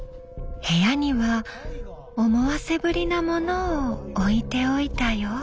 部屋には思わせぶりなものを置いておいたよ。